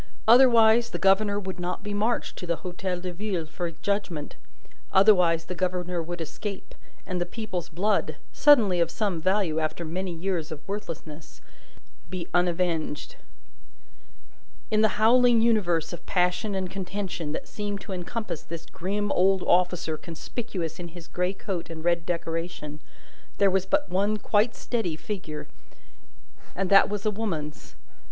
Otherwise, the governor would not be marched to the Hotel de Ville for judgment. Otherwise, the governor would escape, and the people's blood (suddenly of some value, after many years of worthlessness) be unavenged. In the howling universe of passion and contention that seemed to encompass this grim old officer conspicuous in his grey coat and red decoration, there was but one quite steady figure, and that was a woman's.